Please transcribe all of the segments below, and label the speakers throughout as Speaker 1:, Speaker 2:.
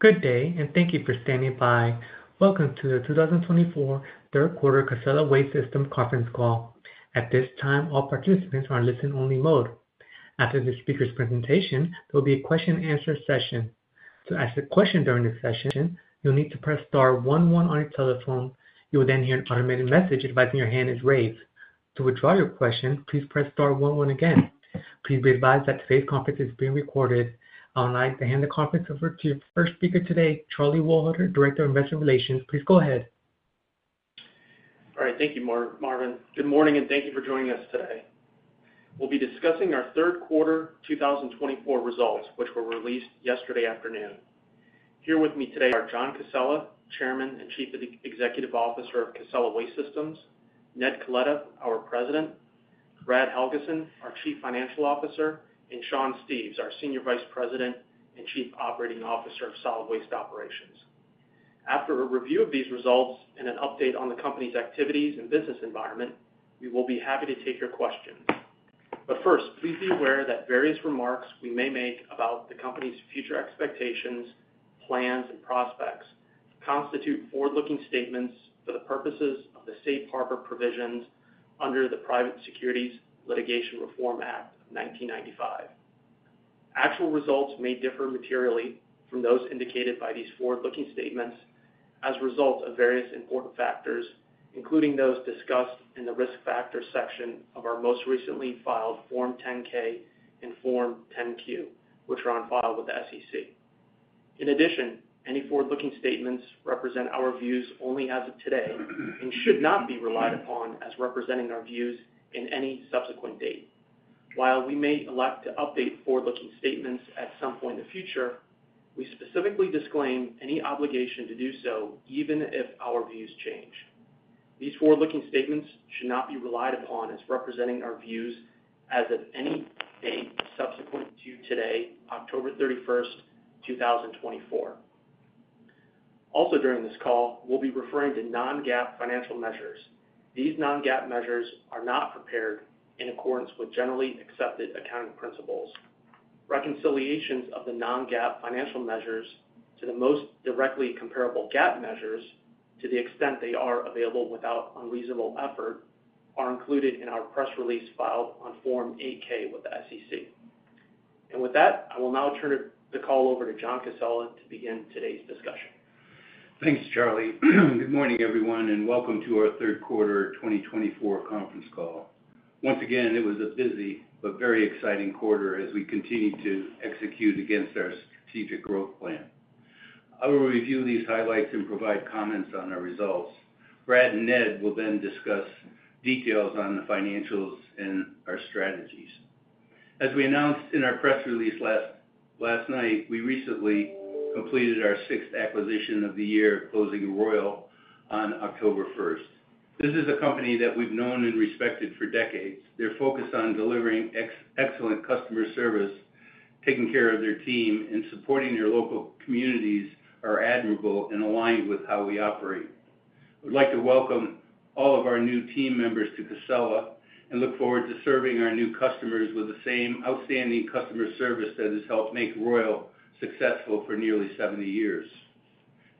Speaker 1: Good day, and thank you for standing by. Welcome to the 2024 Third Quarter Casella Waste Systems Conference Call. At this time, all participants are in listen-only mode. After this speaker's presentation, there will be a question-and-answer session. To ask a question during this session, you'll need to press star one one on your telephone. You will then hear an automated message advising your hand is raised. To withdraw your question, please press star one one again. Please be advised that today's conference is being recorded. I would like to hand the conference over to your first speaker today, Charlie Wohlhuter, Director of Investor Relations. Please go ahead.
Speaker 2: All right. Thank you, Marvin. Good morning, and thank you for joining us today. We'll be discussing our Third Quarter 2024 results, which were released yesterday afternoon. Here with me today are John Casella, Chairman and Chief Executive Officer of Casella Waste Systems, Ned Coletta, our President, Brad Helgeson, our Chief Financial Officer, and Sean Steves, our Senior Vice President and Chief Operating Officer of Solid Waste Operations. After a review of these results and an update on the company's activities and business environment, we will be happy to take your questions. But first, please be aware that various remarks we may make about the company's future expectations, plans, and prospects constitute forward-looking statements for the purposes of the Safe Harbor Provisions under the Private Securities Litigation Reform Act of 1995. Actual results may differ materially from those indicated by these forward-looking statements as a result of various important factors, including those discussed in the risk factor section of our most recently filed Form 10-K and Form 10-Q, which are on file with the SEC. In addition, any forward-looking statements represent our views only as of today and should not be relied upon as representing our views in any subsequent date. While we may elect to update forward-looking statements at some point in the future, we specifically disclaim any obligation to do so even if our views change. These forward-looking statements should not be relied upon as representing our views as of any date subsequent to today, October 31st, 2024. Also, during this call, we'll be referring to non-GAAP financial measures. These non-GAAP measures are not prepared in accordance with generally accepted accounting principles. Reconciliations of the non-GAAP financial measures to the most directly comparable GAAP measures, to the extent they are available without unreasonable effort, are included in our press release filed on Form 8-K with the SEC. With that, I will now turn the call over to John Casella to begin today's discussion.
Speaker 3: Thanks, Charlie. Good morning, everyone, and welcome to our Third Quarter 2024 conference call. Once again, it was a busy but very exciting quarter as we continued to execute against our strategic growth plan. I will review these highlights and provide comments on our results. Brad and Ned will then discuss details on the financials and our strategies. As we announced in our press release last night, we recently completed our sixth acquisition of the year, closing Royal on October 1st. This is a company that we've known and respected for decades. Their focus on delivering excellent customer service, taking care of their team, and supporting their local communities are admirable and aligned with how we operate. I would like to welcome all of our new team members to Casella and look forward to serving our new customers with the same outstanding customer service that has helped make Royal successful for nearly 70 years.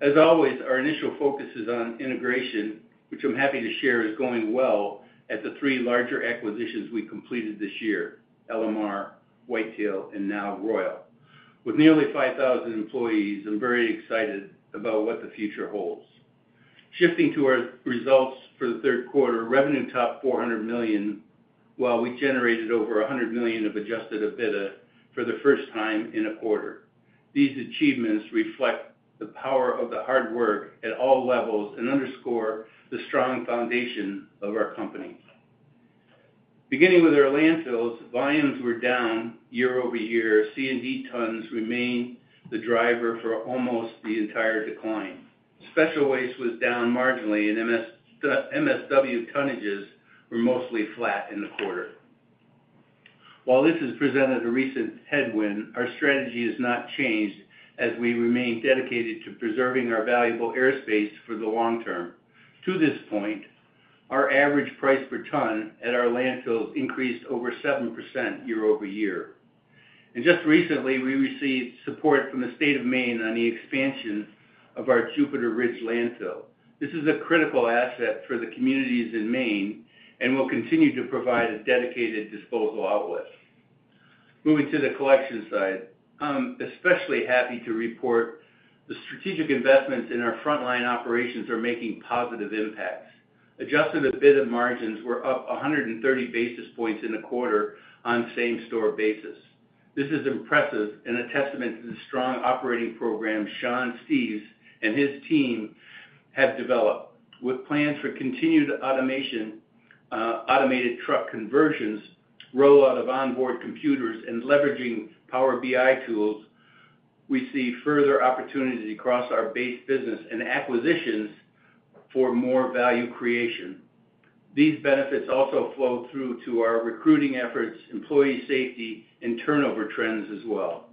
Speaker 3: As always, our initial focus is on integration, which I'm happy to share is going well at the three larger acquisitions we completed this year: LMR, Whitetail, and now Royal. With nearly 5,000 employees, I'm very excited about what the future holds. Shifting to our results for the third quarter, revenue topped $400 million while we generated over $100 million of adjusted EBITDA for the first time in a quarter. These achievements reflect the power of the hard work at all levels and underscore the strong foundation of our company. Beginning with our landfills, volumes were down year over year. C&D tons remained the driver for almost the entire decline. Special waste was down marginally, and MSW tonnages were mostly flat in the quarter. While this has presented a recent headwind, our strategy has not changed as we remain dedicated to preserving our valuable airspace for the long term. To this point, our average price per ton at our landfills increased over 7% year-over-year, and just recently, we received support from the State of Maine on the expansion of our Juniper Ridge landfill. This is a critical asset for the communities in Maine and will continue to provide a dedicated disposal outlet. Moving to the collection side, I'm especially happy to report the strategic investments in our frontline operations are making positive impacts. Adjusted EBITDA margins were up 130 basis points in the quarter on same-store basis. This is impressive and a testament to the strong operating program Sean Steves and his team have developed. With plans for continued automation, automated truck conversions, rollout of onboard computers, and leveraging Power BI tools, we see further opportunities across our base business and acquisitions for more value creation. These benefits also flow through to our recruiting efforts, employee safety, and turnover trends as well.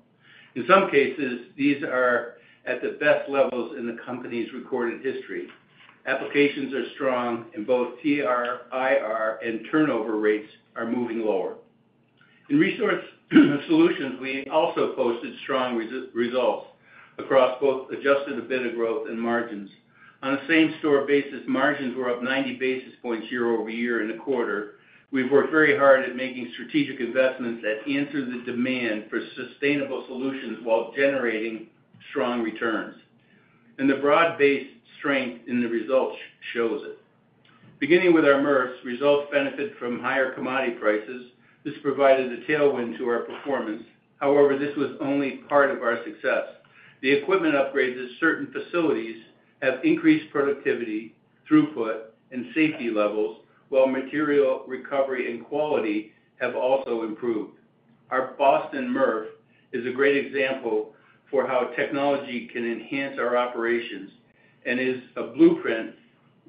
Speaker 3: In some cases, these are at the best levels in the company's recorded history. Applications are strong in both TRIR, and turnover rates are moving lower. In Resource Solutions, we also posted strong results across both adjusted EBITDA growth and margins. On the same-store basis, margins were up 90 basis points year-over-year in the quarter. We've worked very hard at making strategic investments that answer the demand for sustainable solutions while generating strong returns. And the broad-based strength in the results shows it. Beginning with our MRFs, results benefited from higher commodity prices. This provided a tailwind to our performance. However, this was only part of our success. The equipment upgrades at certain facilities have increased productivity, throughput, and safety levels, while material recovery and quality have also improved. Our Boston MRF is a great example for how technology can enhance our operations and is a blueprint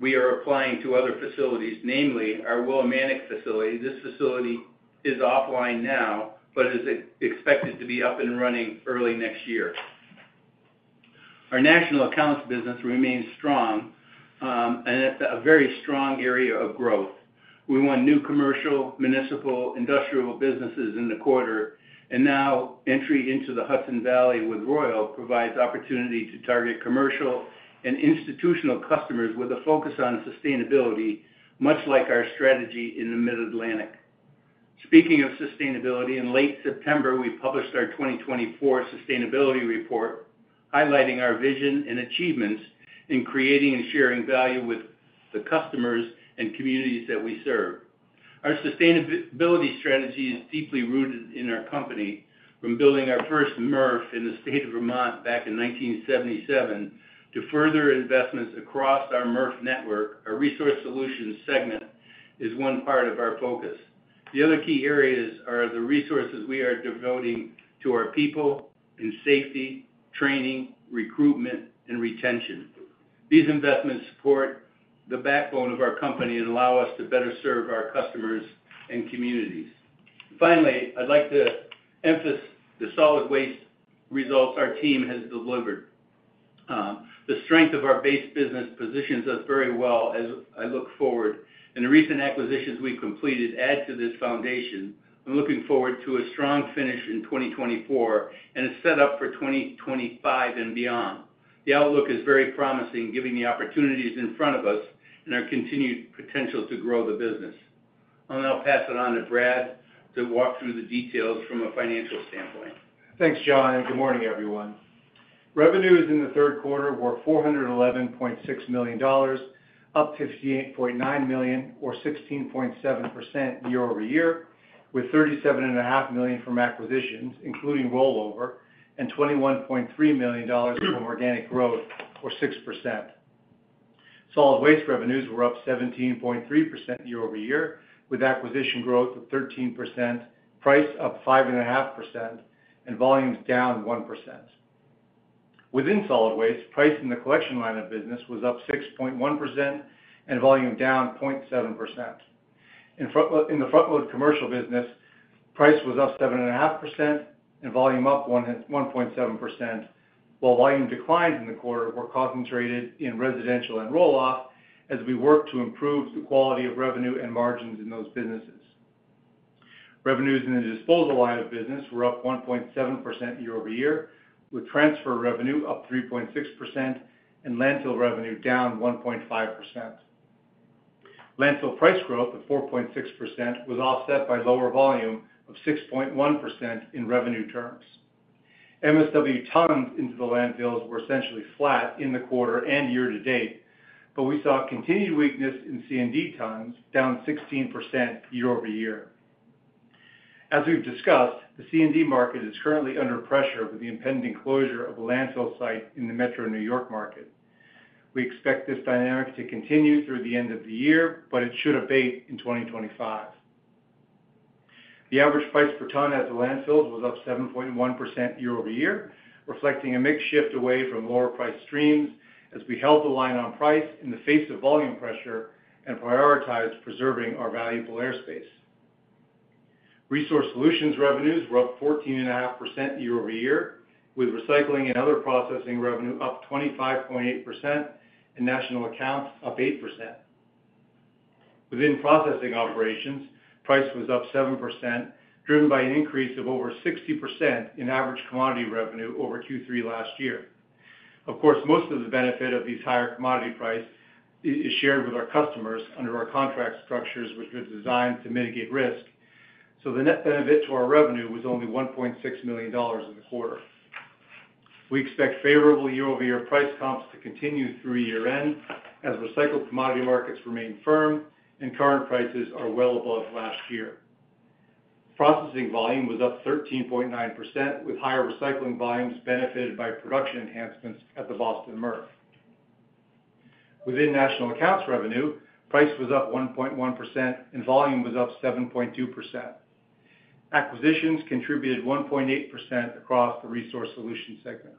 Speaker 3: we are applying to other facilities, namely our Willimantic facility. This facility is offline now but is expected to be up and running early next year. Our national accounts business remains strong and at a very strong area of growth. We won new commercial, municipal, industrial businesses in the quarter, and our entry into the Hudson Valley with Royal provides opportunity to target commercial and institutional customers with a focus on sustainability, much like our strategy in the mid-Atlantic. Speaking of sustainability, in late September, we published our 2024 sustainability report highlighting our vision and achievements in creating and sharing value with the customers and communities that we serve. Our sustainability strategy is deeply rooted in our company. From building our first MRF in the State of Vermont back in 1977 to further investments across our MRF network, our resource solutions segment is one part of our focus. The other key areas are the resources we are devoting to our people and safety, training, recruitment, and retention. These investments support the backbone of our company and allow us to better serve our customers and communities. Finally, I'd like to emphasize the solid waste results our team has delivered. The strength of our base business positions us very well as I look forward, and the recent acquisitions we've completed add to this foundation. I'm looking forward to a strong finish in 2024 and a setup for 2025 and beyond. The outlook is very promising, giving the opportunities in front of us and our continued potential to grow the business. I'll now pass it on to Brad to walk through the details from a financial standpoint.
Speaker 4: Thanks, John, and good morning, everyone. Revenues in the third quarter were $411.6 million, up $58.9 million or 16.7% year-over-year, with $37.5 million from acquisitions, including rollover, and $21.3 million from organic growth or 6%. Solid waste revenues were up 17.3% year-over-year, with acquisition growth of 13%, price up 5.5%, and volumes down 1%. Within solid waste, price in the collection line of business was up 6.1% and volume down 0.7%. In the frontload commercial business, price was up 7.5% and volume up 1.7%, while volume declines in the quarter were concentrated in residential and roll-off as we worked to improve the quality of revenue and margins in those businesses. Revenues in the disposal line of business were up 1.7% year-over-year, with transfer revenue up 3.6% and landfill revenue down 1.5%. Landfill price growth of 4.6% was offset by lower volume of 6.1% in revenue terms. MSW tons into the landfills were essentially flat in the quarter and year to date, but we saw continued weakness in C&D tons, down 16% year-over-year. As we've discussed, the C&D market is currently under pressure with the impending closure of a landfill site in the Metro New York market. We expect this dynamic to continue through the end of the year, but it should abate in 2025. The average price per ton at the landfills was up 7.1% year-over-year, reflecting a mixed shift away from lower price streams as we held the line on price in the face of volume pressure and prioritized preserving our valuable airspace. Resource solutions revenues were up 14.5% year-over-year, with recycling and other processing revenue up 25.8% and national accounts up 8%. Within processing operations, price was up 7%, driven by an increase of over 60% in average commodity revenue over Q3 last year. Of course, most of the benefit of these higher commodity prices is shared with our customers under our contract structures, which are designed to mitigate risk. So the net benefit to our revenue was only $1.6 million in the quarter. We expect favorable year-over-year price comps to continue through year-end as recycled commodity markets remain firm and current prices are well above last year. Processing volume was up 13.9%, with higher recycling volumes benefited by production enhancements at the Boston MRF. Within national accounts revenue, price was up 1.1% and volume was up 7.2%. Acquisitions contributed 1.8% across the resource solution segment.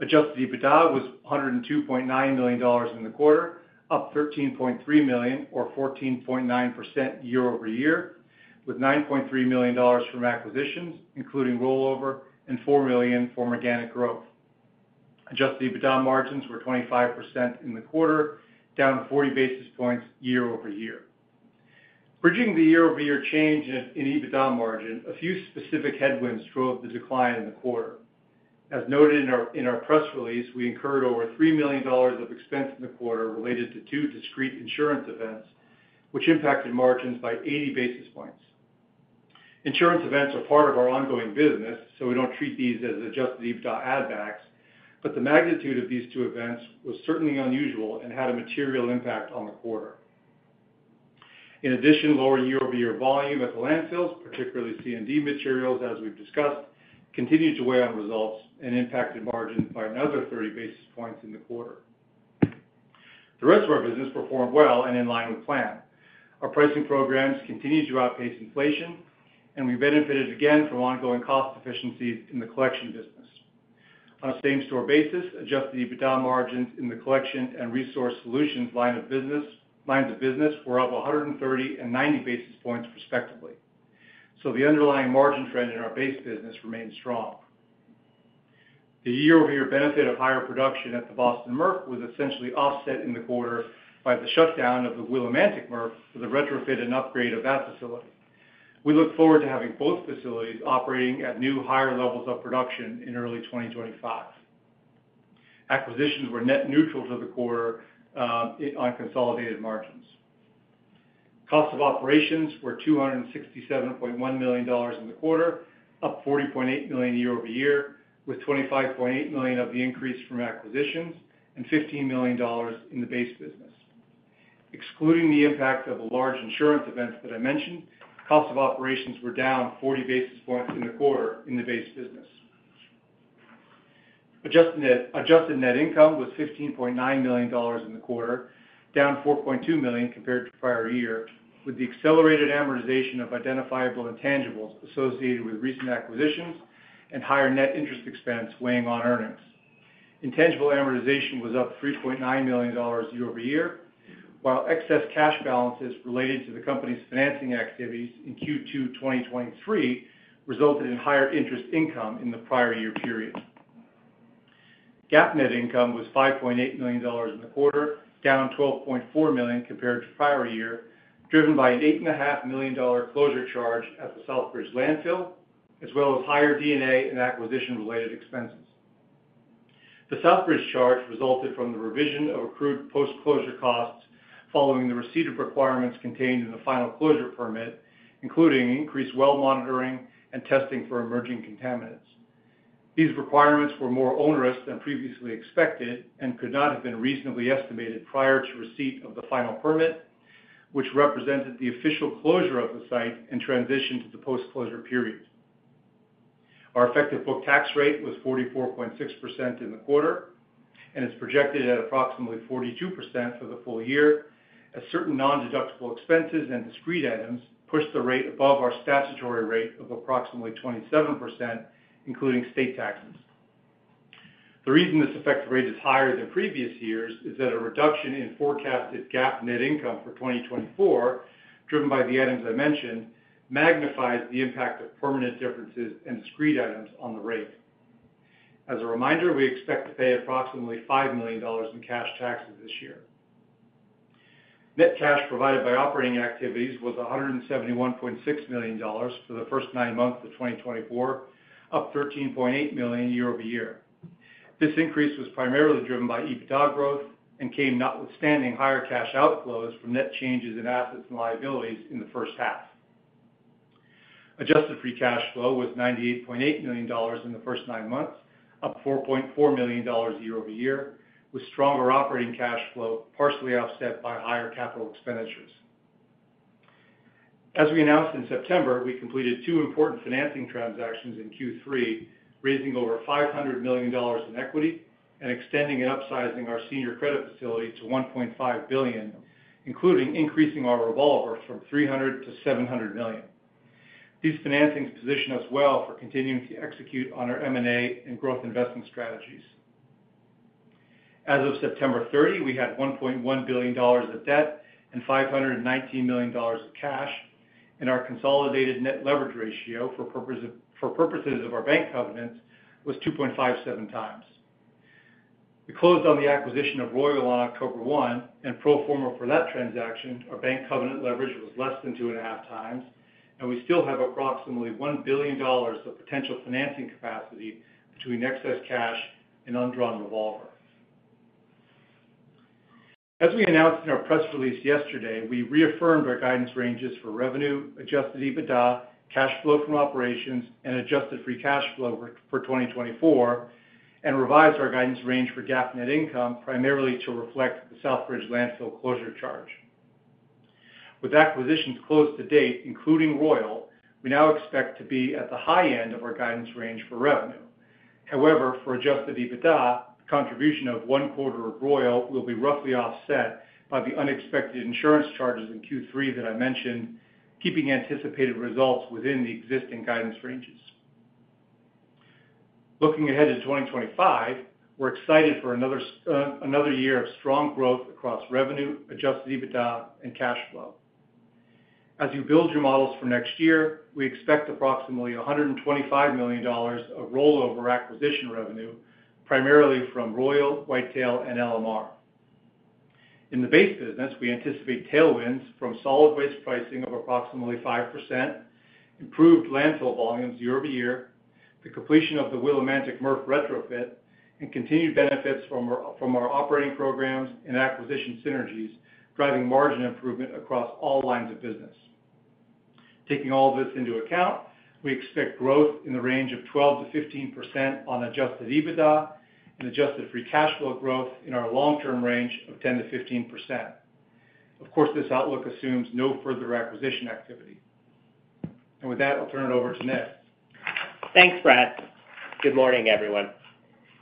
Speaker 4: Adjusted EBITDA was $102.9 million in the quarter, up $13.3 million or 14.9% year-over-year, with $9.3 million from acquisitions, including rollover, and $4 million from organic growth. Adjusted EBITDA margins were 25% in the quarter, down 40 basis points year-over-year. Bridging the year-over-year change in EBITDA margin, a few specific headwinds drove the decline in the quarter. As noted in our press release, we incurred over $3 million of expense in the quarter related to two discrete insurance events, which impacted margins by 80 basis points. Insurance events are part of our ongoing business, so we don't treat these as adjusted EBITDA add-backs, but the magnitude of these two events was certainly unusual and had a material impact on the quarter. In addition, lower year-over-year volume at the landfills, particularly C&D materials, as we've discussed, continued to weigh on results and impacted margins by another 30 basis points in the quarter. The rest of our business performed well and in line with plan. Our pricing programs continue to outpace inflation, and we benefited again from ongoing cost efficiencies in the collection business. On a same-store basis, adjusted EBITDA margins in the collection and resource solutions lines of business were up 130 and 90 basis points respectively. So the underlying margin trend in our base business remained strong. The year-over-year benefit of higher production at the Boston MRF was essentially offset in the quarter by the shutdown of the Willimantic MRF for the retrofit and upgrade of that facility. We look forward to having both facilities operating at new higher levels of production in early 2025. Acquisitions were net neutral to the quarter on consolidated margins. Cost of operations were $267.1 million in the quarter, up $40.8 million year-over-year, with $25.8 million of the increase from acquisitions and $15 million in the base business. Excluding the impact of the large insurance events that I mentioned, cost of operations were down 40 basis points in the quarter in the base business. Adjusted net income was $15.9 million in the quarter, down $4.2 million compared to prior year, with the accelerated amortization of identifiable intangibles associated with recent acquisitions and higher net interest expense weighing on earnings. Intangible amortization was up $3.9 million year-over-year, while excess cash balances related to the company's financing activities in Q2 2023 resulted in higher interest income in the prior year period. GAAP net income was $5.8 million in the quarter, down $12.4 million compared to prior year, driven by an $8.5 million closure charge at the Southbridge landfill, as well as higher D&A and acquisition-related expenses. The Southbridge charge resulted from the revision of accrued post-closure costs following the receipt of requirements contained in the final closure permit, including increased well monitoring and testing for emerging contaminants. These requirements were more onerous than previously expected and could not have been reasonably estimated prior to receipt of the final permit, which represented the official closure of the site and transition to the post-closure period. Our effective book tax rate was 44.6% in the quarter, and it's projected at approximately 42% for the full year as certain non-deductible expenses and discrete items pushed the rate above our statutory rate of approximately 27%, including state taxes. The reason this effective rate is higher than previous years is that a reduction in forecasted GAAP net income for 2024, driven by the items I mentioned, magnifies the impact of permanent differences and discrete items on the rate. As a reminder, we expect to pay approximately $5 million in cash taxes this year. Net cash provided by operating activities was $171.6 million for the first nine months of 2024, up $13.8 million year-over-year. This increase was primarily driven by EBITDA growth and came notwithstanding higher cash outflows from net changes in assets and liabilities in the first half. Adjusted free cash flow was $98.8 million in the first nine months, up $4.4 million year-over-year, with stronger operating cash flow partially offset by higher capital expenditures. As we announced in September, we completed two important financing transactions in Q3, raising over $500 million in equity and extending and upsizing our senior credit facility to $1.5 billion, including increasing our revolver from $300 million to $700 million. These financings position us well for continuing to execute on our M&A and growth investing strategies. As of September 30, we had $1.1 billion of debt and $519 million of cash, and our consolidated net leverage ratio for purposes of our bank covenants was 2.57x. We closed on the acquisition of Royal on October 1, and pro forma for that transaction, our bank covenant leverage was less than 2.5x, and we still have approximately $1 billion of potential financing capacity between excess cash and undrawn revolver. As we announced in our press release yesterday, we reaffirmed our guidance ranges for revenue, adjusted EBITDA, cash flow from operations, and adjusted free cash flow for 2024, and revised our guidance range for GAAP net income primarily to reflect the Southbridge landfill closure charge. With acquisitions closed to date, including Royal, we now expect to be at the high end of our guidance range for revenue. However, for adjusted EBITDA, the contribution of one quarter of Royal will be roughly offset by the unexpected insurance charges in Q3 that I mentioned, keeping anticipated results within the existing guidance ranges. Looking ahead to 2025, we're excited for another year of strong growth across revenue, adjusted EBITDA, and cash flow. As you build your models for next year, we expect approximately $125 million of rollover acquisition revenue, primarily from Royal, Whitetail, and LMR. In the base business, we anticipate tailwinds from solid waste pricing of approximately 5%, improved landfill volumes year over year, the completion of the Willimantic MRF retrofit, and continued benefits from our operating programs and acquisition synergies, driving margin improvement across all lines of business. Taking all of this into account, we expect growth in the range of 12%-15% on adjusted EBITDA and adjusted free cash flow growth in our long-term range of 10%-15%. Of course, this outlook assumes no further acquisition activity. And with that, I'll turn it over to Ned.
Speaker 5: Thanks, Brad. Good morning, everyone.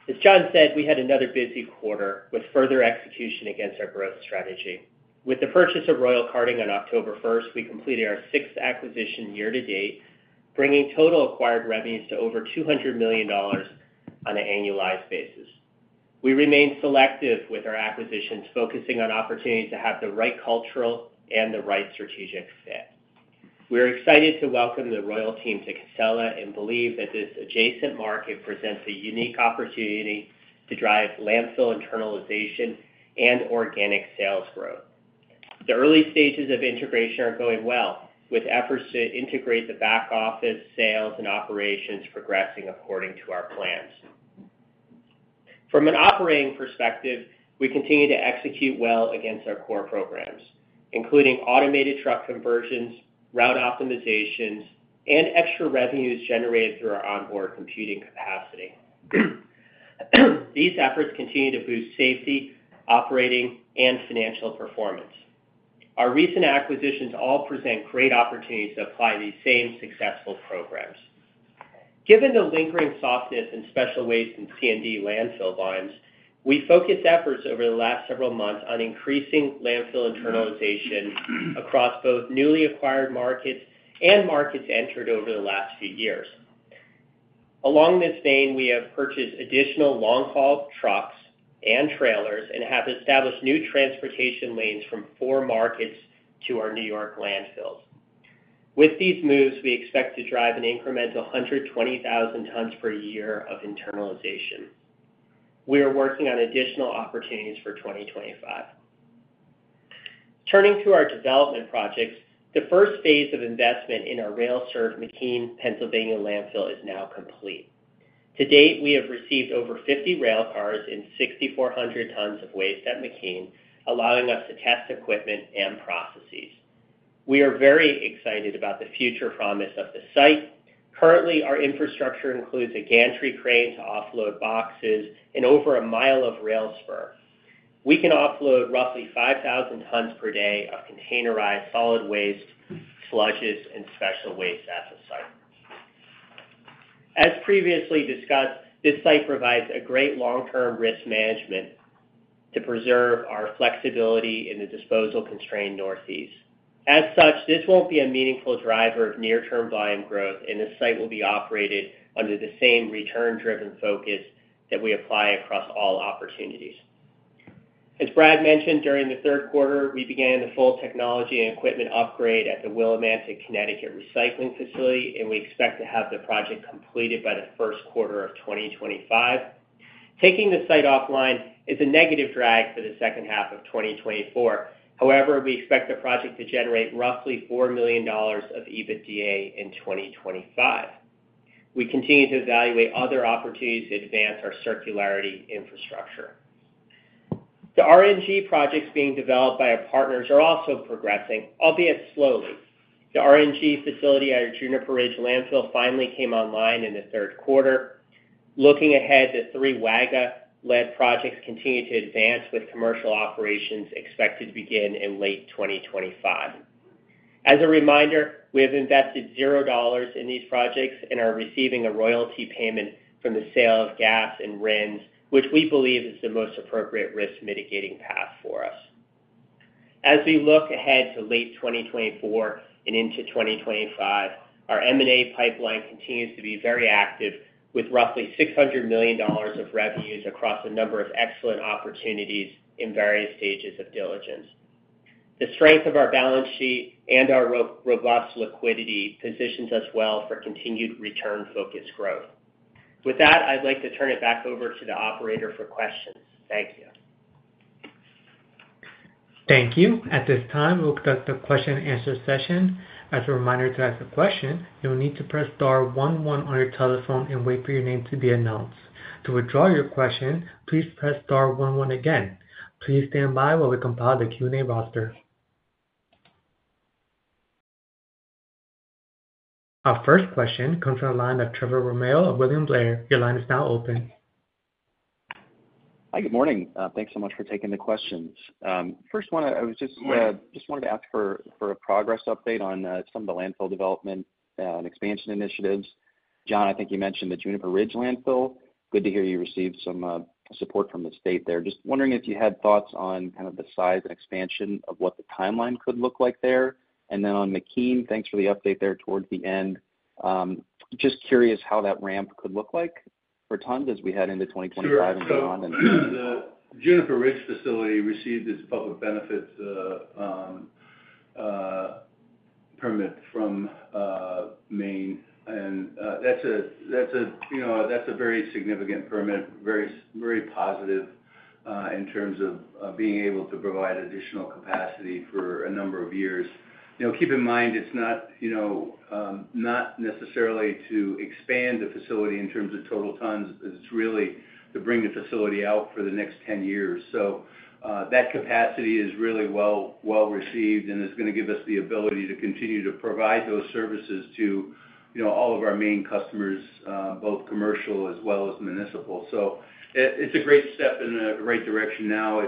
Speaker 5: As John said, we had another busy quarter with further execution against our growth strategy. With the purchase of Royal Carting on October 1st, we completed our sixth acquisition year to date, bringing total acquired revenues to over $200 million on an annualized basis. We remain selective with our acquisitions, focusing on opportunities to have the right cultural and the right strategic fit. We are excited to welcome the Royal team to Casella and believe that this adjacent market presents a unique opportunity to drive landfill internalization and organic sales growth. The early stages of integration are going well, with efforts to integrate the back office, sales, and operations progressing according to our plans. From an operating perspective, we continue to execute well against our core programs, including automated truck conversions, route optimizations, and extra revenues generated through our onboard computing capacity. These efforts continue to boost safety, operating, and financial performance. Our recent acquisitions all present great opportunities to apply these same successful programs. Given the lingering softness in special waste and C&D landfill volumes, we focused efforts over the last several months on increasing landfill internalization across both newly acquired markets and markets entered over the last few years. Along this vein, we have purchased additional long-haul trucks and trailers and have established new transportation lanes from four markets to our New York landfills. With these moves, we expect to drive an incremental 120,000 tons per year of internalization. We are working on additional opportunities for 2025. Turning to our development projects, the first phase of investment in our rail-served McKean, Pennsylvania landfill is now complete. To date, we have received over 50 rail cars and 6,400 tons of waste at McKean, allowing us to test equipment and processes. We are very excited about the future promise of the site. Currently, our infrastructure includes a gantry crane to offload boxes and over a mile of rail spur. We can offload roughly 5,000 tons per day of containerized solid waste, sludges, and special waste at the site. As previously discussed, this site provides a great long-term risk management to preserve our flexibility in the disposal constrained northeast. As such, this won't be a meaningful driver of near-term volume growth, and this site will be operated under the same return-driven focus that we apply across all opportunities. As Brad mentioned, during the third quarter, we began the full technology and equipment upgrade at the Willimantic, Connecticut recycling facility, and we expect to have the project completed by the first quarter of 2025. Taking the site offline is a negative drag for the second half of 2024. However, we expect the project to generate roughly $4 million of EBITDA in 2025. We continue to evaluate other opportunities to advance our circularity infrastructure. The RNG projects being developed by our partners are also progressing, albeit slowly. The RNG facility at our Juniper Ridge landfill finally came online in the third quarter. Looking ahead, the three Waga-led projects continue to advance with commercial operations expected to begin in late 2025. As a reminder, we have invested $0 in these projects and are receiving a royalty payment from the sale of gas and RNGs, which we believe is the most appropriate risk-mitigating path for us. As we look ahead to late 2024 and into 2025, our M&A pipeline continues to be very active with roughly $600 million of revenues across a number of excellent opportunities in various stages of diligence. The strength of our balance sheet and our robust liquidity positions us well for continued return-focused growth. With that, I'd like to turn it back over to the operator for questions. Thank you.
Speaker 1: Thank you. At this time, we'll conduct a question-and-answer session. As a reminder to ask a question, you'll need to press star one one on your telephone and wait for your name to be announced. To withdraw your question, please press star one one again. Please stand by while we compile the Q&A roster. Our first question comes from the line of Trevor Romeo of William Blair. Your line is now open.
Speaker 6: Hi, good morning. Thanks so much for taking the questions. First, I just wanted to ask for a progress update on some of the landfill development and expansion initiatives. John, I think you mentioned the Juniper Ridge landfill. Good to hear you received some support from the state there. Just wondering if you had thoughts on kind of the size and expansion of what the timeline could look like there. And then on McKean, thanks for the update there towards the end. Just curious how that ramp could look like for tons as we head into 2025 and beyond.
Speaker 3: The Juniper Ridge facility received its Public Benefit Permit from Maine. And that's a very significant permit, very positive in terms of being able to provide additional capacity for a number of years. Keep in mind, it's not necessarily to expand the facility in terms of total tons. It's really to bring the facility out for the next 10 years. So that capacity is really well received and is going to give us the ability to continue to provide those services to all of our Maine customers, both commercial as well as municipal. So it's a great step in the right direction now.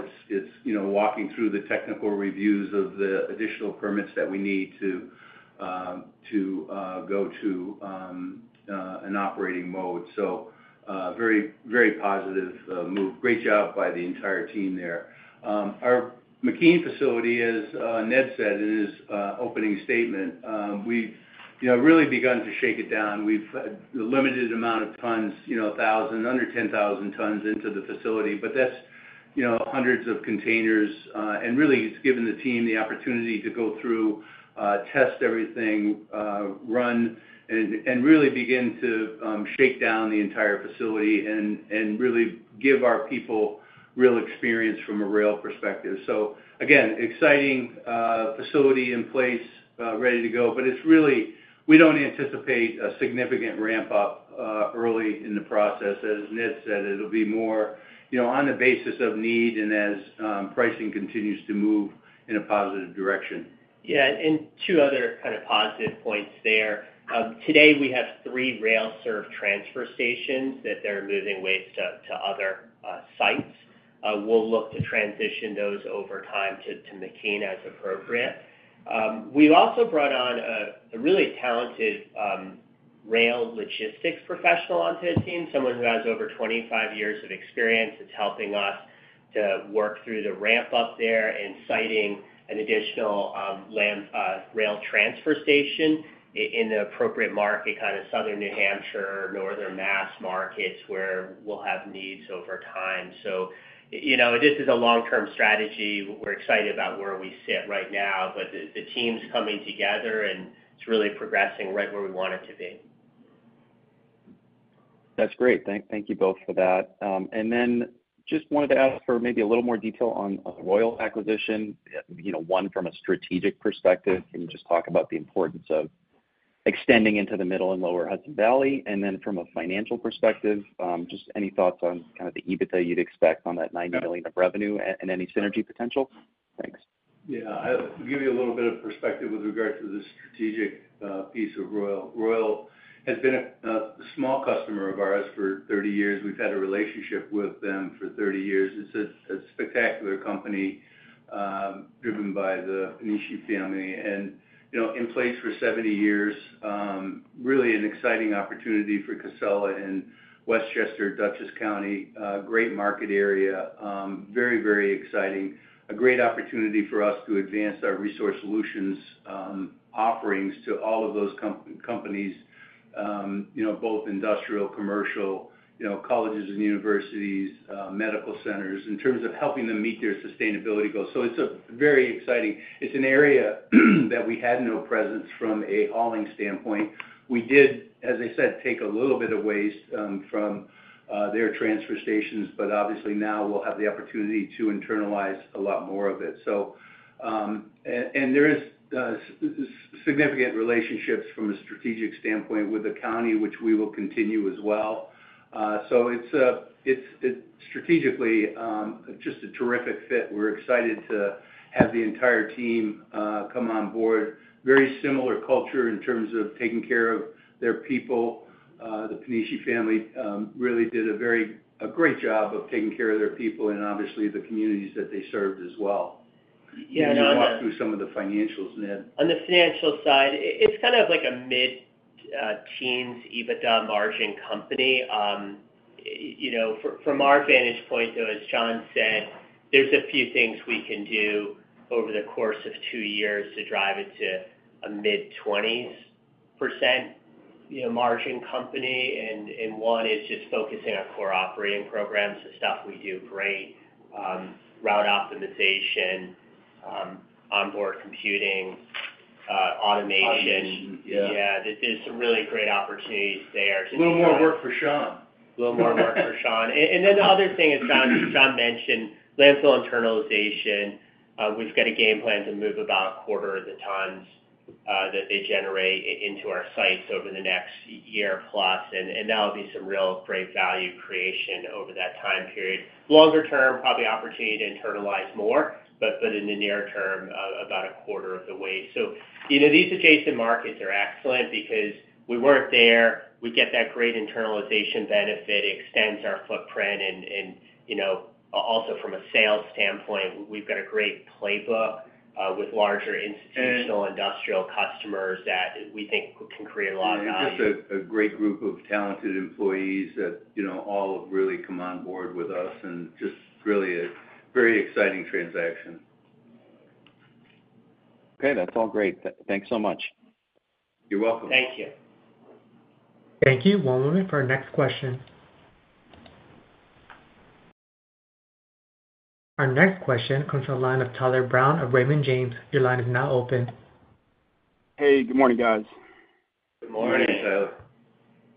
Speaker 3: We're walking through the technical reviews of the additional permits that we need to go to an operating mode. So very positive move. Great job by the entire team there. Our McKean facility, as Ned said, in his opening statement, we've really begun to shake it down. We've limited the amount of tons, 1,000, under 10,000 tons into the facility, but that's hundreds of containers, and really, it's given the team the opportunity to go through, test everything, run, and really begin to shake down the entire facility and really give our people real experience from a rail perspective. Again, exciting facility in place, ready to go, but it's really we don't anticipate a significant ramp-up early in the process. As Ned said, it'll be more on the basis of need and as pricing continues to move in a positive direction.
Speaker 5: Yeah. And two other kind of positive points there. Today, we have three rail-served transfer stations that they're moving waste to other sites. We'll look to transition those over time to McKean as appropriate. We've also brought on a really talented rail logistics professional onto the team, someone who has over 25 years of experience that's helping us to work through the ramp-up there and siting an additional rail transfer station in the appropriate market, kind of Southern New Hampshire or Northern Massachusetts markets where we'll have needs over time. So this is a long-term strategy. We're excited about where we sit right now, but the team's coming together and it's really progressing right where we want it to be.
Speaker 6: That's great. Thank you both for that. And then just wanted to ask for maybe a little more detail on a Royal acquisition, one from a strategic perspective. Can you just talk about the importance of extending into the middle and lower Hudson Valley? And then from a financial perspective, just any thoughts on kind of the EBITDA you'd expect on that $90 million of revenue and any synergy potential? Thanks.
Speaker 3: Yeah. I'll give you a little bit of perspective with regard to the strategic piece of Royal. Royal has been a small customer of ours for 30 years. We've had a relationship with them for 30 years. It's a spectacular company driven by the Panichi family and in place for 70 years. Really an exciting opportunity for Casella in Westchester, Dutchess County. Great market area. Very, very exciting. A great opportunity for us to advance our resource solutions offerings to all of those companies, both industrial, commercial, colleges and universities, medical centers in terms of helping them meet their sustainability goals. So it's very exciting. It's an area that we had no presence from a hauling standpoint. We did, as I said, take a little bit of waste from their transfer stations, but obviously now we'll have the opportunity to internalize a lot more of it. There are significant relationships from a strategic standpoint with the county, which we will continue as well. It's strategically just a terrific fit. We're excited to have the entire team come on board. Very similar culture in terms of taking care of their people. The Panichi family really did a great job of taking care of their people and obviously the communities that they served as well.
Speaker 5: Yeah.
Speaker 3: You can walk through some of the financials, Ned.
Speaker 5: On the financial side, it's kind of like a mid-teens EBITDA margin company. From our vantage point, though, as John said, there's a few things we can do over the course of two years to drive it to a mid-20% margin company. And one is just focusing on core operating programs. The stuff we do great: route optimization, onboard computing, automation.
Speaker 3: Automation. Yeah.
Speaker 5: Yeah. There's some really great opportunities there.
Speaker 3: A little more work for Sean.
Speaker 5: A little more work for Sean. And then the other thing is, John mentioned landfill internalization. We've got a game plan to move about a quarter of the tons that they generate into our sites over the next year plus. And that'll be some real great value creation over that time period. Longer term, probably opportunity to internalize more, but in the near term, about a quarter of the way. So these adjacent markets are excellent because we weren't there. We get that great internalization benefit, extends our footprint, and also from a sales standpoint, we've got a great playbook with larger institutional industrial customers that we think can create a lot of value.
Speaker 3: Just a great group of talented employees that all have really come on board with us and just really a very exciting transaction.
Speaker 6: Okay. That's all great. Thanks so much.
Speaker 3: You're welcome.
Speaker 5: Thank you.
Speaker 1: Thank you. One moment for our next question. Our next question comes from the line of Tyler Brown of Raymond James. Your line is now open.
Speaker 7: Hey, good morning, guys.
Speaker 3: Good morning, Tyler.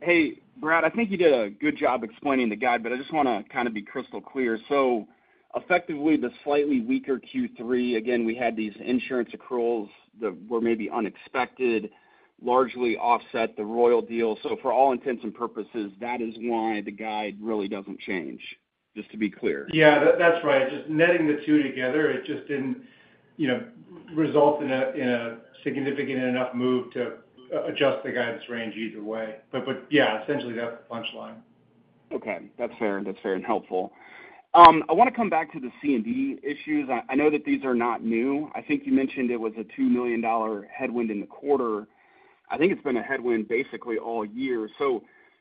Speaker 7: Hey, Brad, I think you did a good job explaining the guide, but I just want to kind of be crystal clear. So effectively, the slightly weaker Q3, again, we had these insurance accruals that were maybe unexpected, largely offset the Royal deal. So for all intents and purposes, that is why the guide really doesn't change, just to be clear.
Speaker 4: Yeah, that's right. Just netting the two together, it just didn't result in a significant enough move to adjust the guidance range either way. But yeah, essentially, that's the punchline.
Speaker 7: Okay. That's fair. That's fair and helpful. I want to come back to the C&D issues. I know that these are not new. I think you mentioned it was a $2 million headwind in the quarter. I think it's been a headwind basically all year.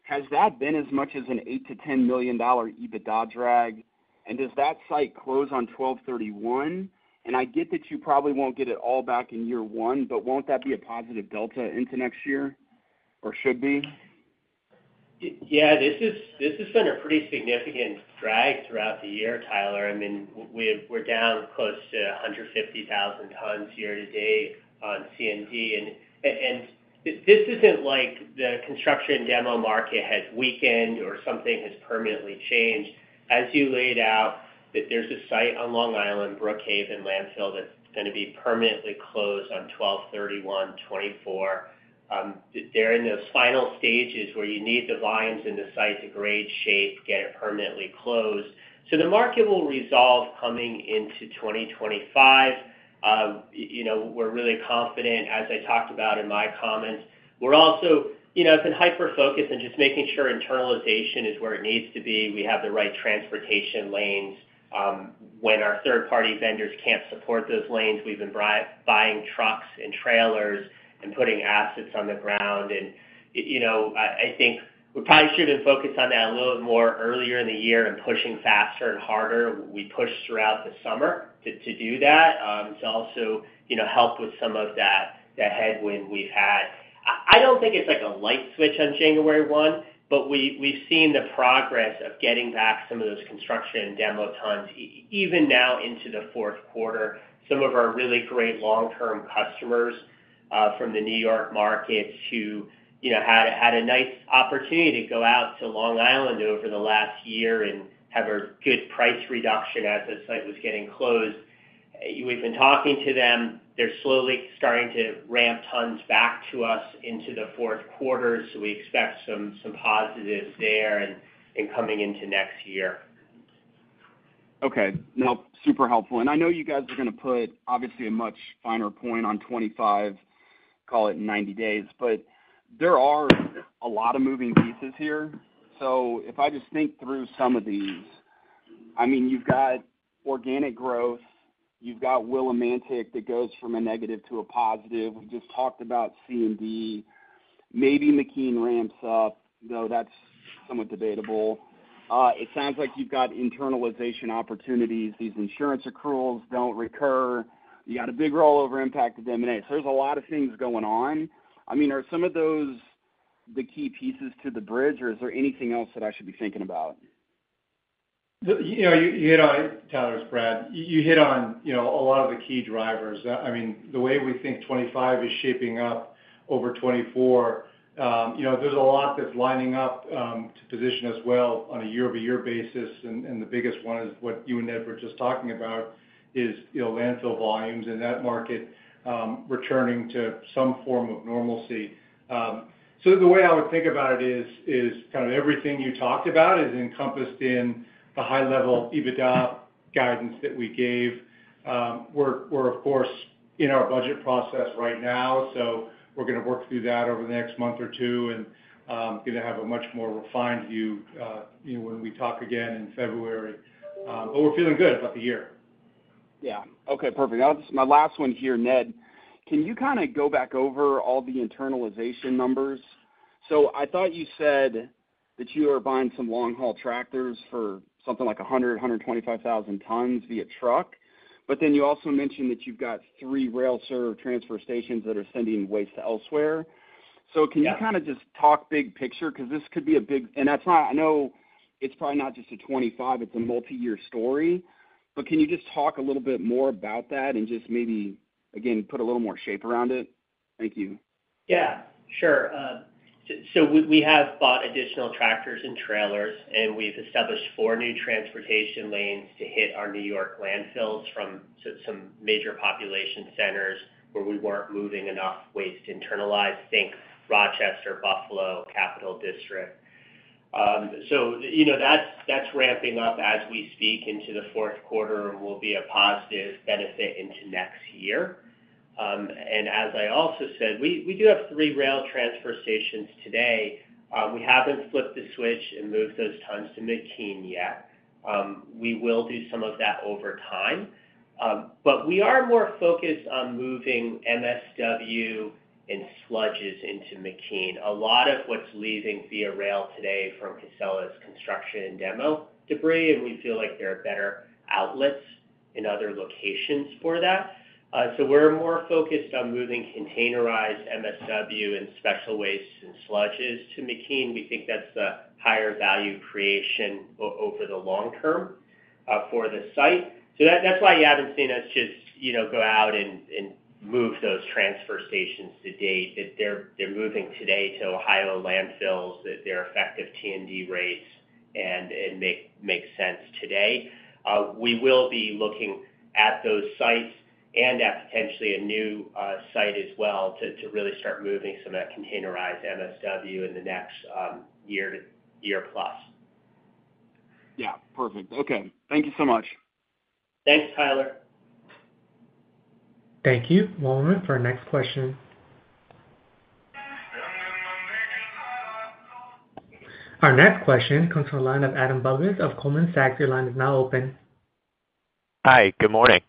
Speaker 7: So has that been as much as an $8 million-$10 million EBITDA drag? And does that site close on 12/31? And I get that you probably won't get it all back in year one, but won't that be a positive delta into next year? Or should be?
Speaker 5: Yeah. This has been a pretty significant drag throughout the year, Tyler. I mean, we're down close to 150,000 tons year to date on C&D. And this isn't like the construction demo market has weakened or something has permanently changed. As you laid out, there's a site on Long Island, Brookhaven Landfill that's going to be permanently closed on 12/31/2024. They're in those final stages where you need the lines in the site to grade, shape, get it permanently closed. So the market will resolve coming into 2025. We're really confident, as I talked about in my comments. We're also in hyper-focus and just making sure internalization is where it needs to be. We have the right transportation lanes. When our third-party vendors can't support those lanes, we've been buying trucks and trailers and putting assets on the ground. I think we probably should have been focused on that a little bit more earlier in the year and pushing faster and harder. We pushed throughout the summer to do that to also help with some of that headwind we've had. I don't think it's like a light switch on January 1, but we've seen the progress of getting back some of those construction demo tons even now into the fourth quarter. Some of our really great long-term customers from the New York markets had a nice opportunity to go out to Long Island over the last year and have a good price reduction as the site was getting closed. We've been talking to them. They're slowly starting to ramp tons back to us into the fourth quarter. We expect some positives there and coming into next year.
Speaker 7: Okay. No, super helpful. And I know you guys are going to put, obviously, a much finer point on 25, call it 90 days, but there are a lot of moving pieces here. So if I just think through some of these, I mean, you've got organic growth. You've got Willimantic that goes from a negative to a positive. We just talked about C&D. Maybe McKean ramps up, though that's somewhat debatable. It sounds like you've got internalization opportunities. These insurance accruals don't recur. You got a big rollover impact at M&A. So there's a lot of things going on. I mean, are some of those the key pieces to the bridge, or is there anything else that I should be thinking about?
Speaker 4: You hit on it, Tyler, it’s Brad. You hit on a lot of the key drivers. I mean, the way we think 2025 is shaping up over 2024, there's a lot that's lining up to position us well on a year-over-year basis, and the biggest one is what you and Ned were just talking about, is landfill volumes in that market returning to some form of normalcy. So the way I would think about it is kind of everything you talked about is encompassed in the high-level EBITDA guidance that we gave. We're, of course, in our budget process right now. So we're going to work through that over the next month or two and going to have a much more refined view when we talk again in February, but we're feeling good about the year.
Speaker 7: Yeah. Okay. Perfect. My last one here, Ned. Can you kind of go back over all the internalization numbers? So I thought you said that you are buying some long-haul tractors for something like 100,000 tons-125,000 tons via truck. But then you also mentioned that you've got three rail-served transfer stations that are sending waste elsewhere. So can you kind of just talk big picture? Because this could be a big and I know it's probably not just a 25, it's a multi-year story. But can you just talk a little bit more about that and just maybe, again, put a little more shape around it? Thank you.
Speaker 5: Yeah. Sure. So we have bought additional tractors and trailers, and we've established four new transportation lanes to hit our New York landfills from some major population centers where we weren't moving enough waste internalized. Think Rochester, Buffalo, Capital District. So that's ramping up as we speak into the fourth quarter and will be a positive benefit into next year. And as I also said, we do have three rail transfer stations today. We haven't flipped the switch and moved those tons to McKean yet. We will do some of that over time. But we are more focused on moving MSW and sludges into McKean. A lot of what's leaving via rail today from Casella's construction and demo debris, and we feel like there are better outlets in other locations for that. So we're more focused on moving containerized MSW and special waste and sludges to McKean. We think that's the higher value creation over the long term for the site. So that's why you haven't seen us just go out and move those transfer stations to date. They're moving today to Ohio landfills at their effective T&D rates and make sense today. We will be looking at those sites and at potentially a new site as well to really start moving some of that containerized MSW in the next year to year plus.
Speaker 7: Yeah. Perfect. Okay. Thank you so much.
Speaker 5: Thanks, Tyler.
Speaker 1: Thank you. One moment for our next question. Our next question comes from the line of Adam Bubes of Goldman Sachs. Their line is now open.
Speaker 8: Hi. Good morning.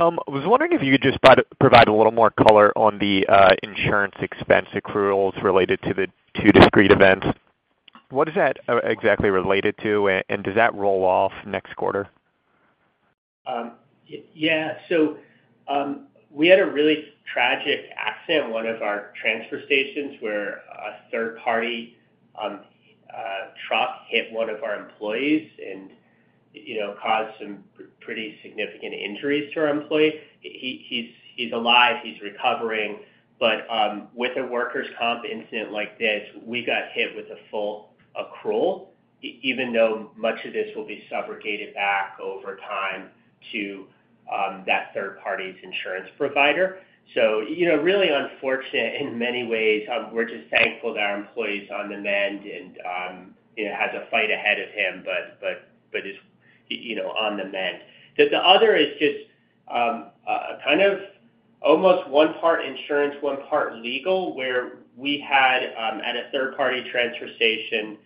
Speaker 8: I was wondering if you could just provide a little more color on the insurance expense accruals related to the two discrete events. What is that exactly related to, and does that roll off next quarter?
Speaker 5: Yeah. So we had a really tragic accident at one of our transfer stations where a third-party truck hit one of our employees and caused some pretty significant injuries to our employee. He's alive. He's recovering. But with a workers' comp incident like this, we got hit with a full accrual, even though much of this will be subrogated back over time to that third-party's insurance provider. So really unfortunate in many ways. We're just thankful that our employee's on the mend and has a fight ahead of him, but is on the mend. The other is just kind of almost one part insurance, one part legal, where we had, at a third-party transfer station,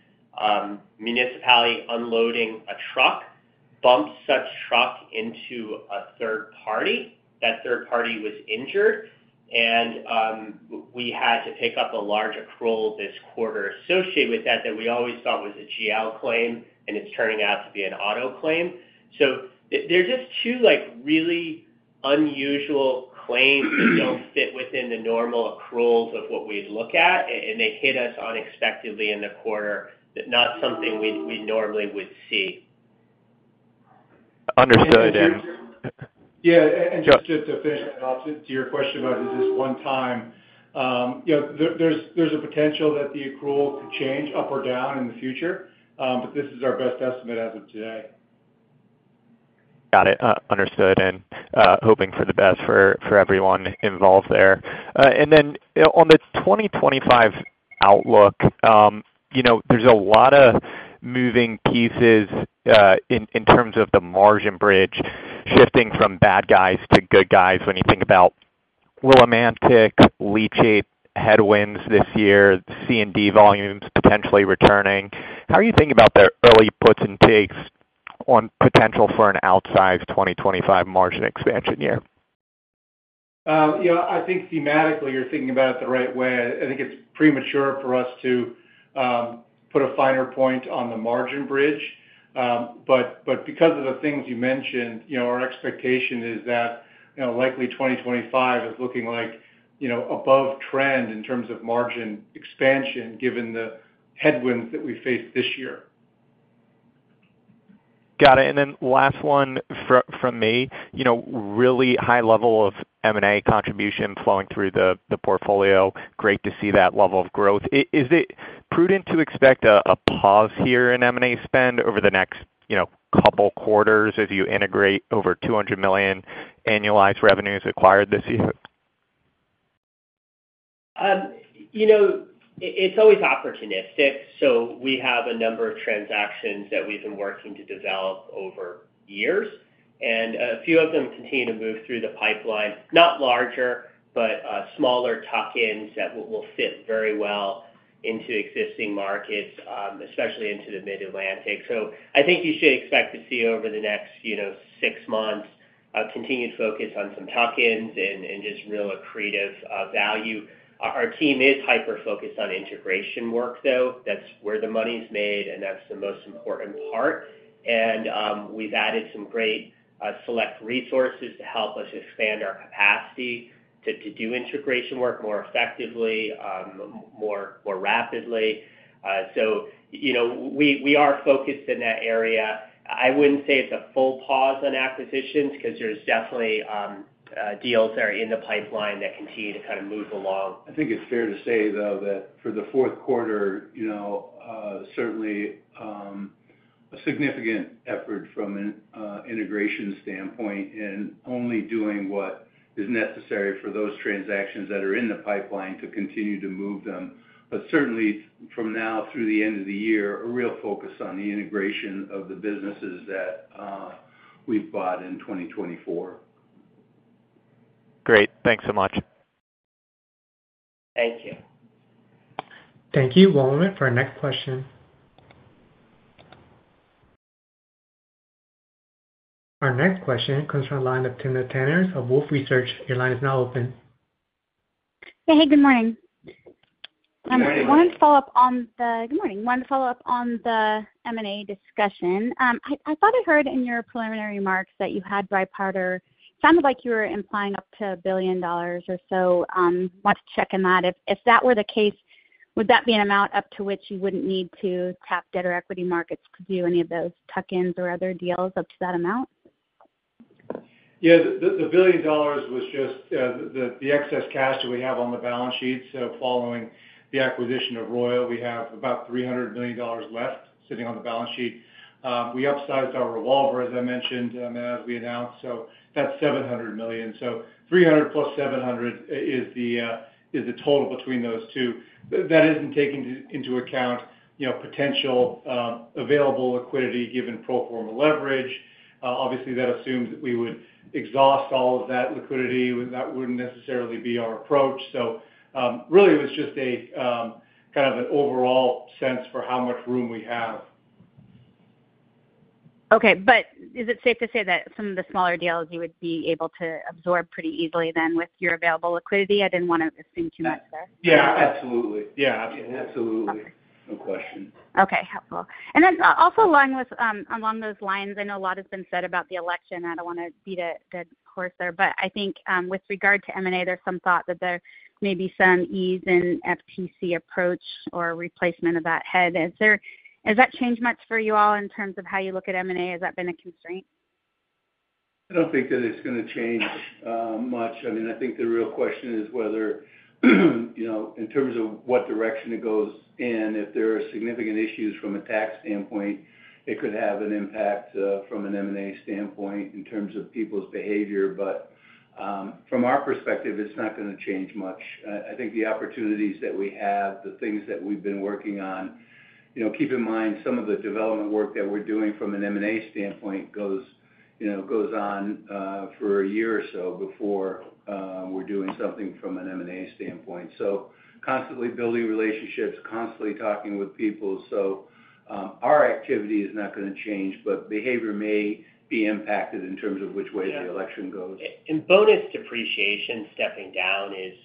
Speaker 5: municipality unloading a truck bumped such truck into a third party. That third party was injured, and we had to pick up a large accrual this quarter associated with that that we always thought was a GL claim, and it's turning out to be an auto claim. So there's just two really unusual claims that don't fit within the normal accruals of what we'd look at, and they hit us unexpectedly in the quarter. Not something we normally would see.
Speaker 8: Understood.
Speaker 4: Yeah, and just to finish that off to your question about is this one time, there's a potential that the accrual could change up or down in the future, but this is our best estimate as of today.
Speaker 8: Got it. Understood. And hoping for the best for everyone involved there. And then on the 2025 outlook, there's a lot of moving pieces in terms of the margin bridge, shifting from bad guys to good guys when you think about Willimantic, leachate, headwinds this year, C&D volumes potentially returning. How are you thinking about the early puts and takes on potential for an outsized 2025 margin expansion year?
Speaker 4: Yeah. I think thematically you're thinking about it the right way. I think it's premature for us to put a finer point on the margin bridge. But because of the things you mentioned, our expectation is that likely 2025 is looking like above trend in terms of margin expansion given the headwinds that we faced this year.
Speaker 8: Got it. And then last one from me. Really high level of M&A contribution flowing through the portfolio. Great to see that level of growth. Is it prudent to expect a pause here in M&A spend over the next couple quarters as you integrate over $200 million annualized revenues acquired this year?
Speaker 5: It's always opportunistic. So we have a number of transactions that we've been working to develop over years, and a few of them continue to move through the pipeline. Not larger, but smaller tuck-ins that will fit very well into existing markets, especially into the Mid-Atlantic. So I think you should expect to see over the next six months a continued focus on some tuck-ins and just real accretive value. Our team is hyper-focused on integration work, though. That's where the money's made, and that's the most important part. And we've added some great select resources to help us expand our capacity to do integration work more effectively, more rapidly. So we are focused in that area. I wouldn't say it's a full pause on acquisitions because there's definitely deals that are in the pipeline that continue to kind of move along.
Speaker 3: I think it's fair to say, though, that for the fourth quarter, certainly a significant effort from an integration standpoint and only doing what is necessary for those transactions that are in the pipeline to continue to move them, but certainly from now through the end of the year, a real focus on the integration of the businesses that we've bought in 2024.
Speaker 8: Great. Thanks so much.
Speaker 5: Thank you.
Speaker 1: Thank you. One moment for our next question. Our next question comes from the line of Timna Tanners of Wolfe Research. Your line is now open.
Speaker 9: Hey, hey. Good morning.
Speaker 3: Good morning.
Speaker 9: I wanted to follow up on the M&A discussion. I thought I heard in your preliminary remarks that you had [revolver]. It sounded like you were implying up to $1 billion or so. I want to check on that. If that were the case, would that be an amount up to which you wouldn't need to tap debt or equity markets to do any of those tuck-ins or other deals up to that amount?
Speaker 4: Yeah. The $1 billion was just the excess cash that we have on the balance sheet. So following the acquisition of Royal, we have about $300 million left sitting on the balance sheet. We upsized our revolver, as I mentioned, as we announced. So that's $700 million. So $300 million plus $700 million is the total between those two. That isn't taking into account potential available liquidity given pro forma leverage. Obviously, that assumes that we would exhaust all of that liquidity. That wouldn't necessarily be our approach. So really, it was just kind of an overall sense for how much room we have.
Speaker 9: Okay. But is it safe to say that some of the smaller deals you would be able to absorb pretty easily then with your available liquidity? I didn't want to assume too much there.
Speaker 3: Yeah. Absolutely. Yeah. Absolutely. No question.
Speaker 9: Okay. Helpful. And then also along those lines, I know a lot has been said about the election. I don't want to beat a horse there. But I think with regard to M&A, there's some thought that there may be some ease in FTC approach or replacement of that head. Has that changed much for you all in terms of how you look at M&A? Has that been a constraint?
Speaker 3: I don't think that it's going to change much. I mean, I think the real question is whether in terms of what direction it goes and if there are significant issues from a tax standpoint, it could have an impact from an M&A standpoint in terms of people's behavior. But from our perspective, it's not going to change much. I think the opportunities that we have, the things that we've been working on, keep in mind some of the development work that we're doing from an M&A standpoint goes on for a year or so before we're doing something from an M&A standpoint. So constantly building relationships, constantly talking with people. So our activity is not going to change, but behavior may be impacted in terms of which way the election goes.
Speaker 5: Bonus depreciation stepping down is